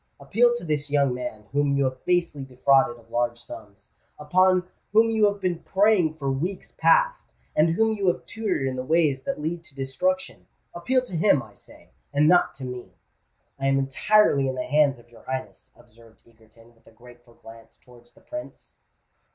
"Appeal to this young man whom you have basely defrauded of large sums—upon whom you have been preying for weeks past—and whom you have tutored in the ways that lead to destruction:—appeal to him, I say—and not to me." "I am entirely in the hands of your Highness," observed Egerton, with a grateful glance towards the Prince.